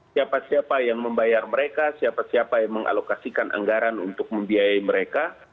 siapa siapa yang membayar mereka siapa siapa yang mengalokasikan anggaran untuk membiayai mereka